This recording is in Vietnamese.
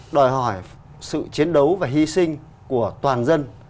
đòi hỏi sự chiến đấu và hy sinh của toàn dân